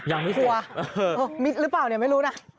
กลัวมิดหรือเปล่าเนี่ยไม่รู้นะ